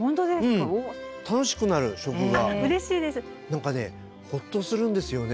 何かねホッとするんですよね。